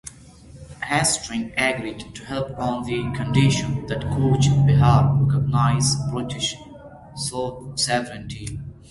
Hastings agreed to help on the condition that Cooch Behar recognise British sovereignty.